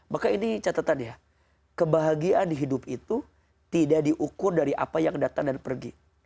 maka ini catatan ya kebahagiaan di hidup itu tidak diukur dari apa yang datang dan pergi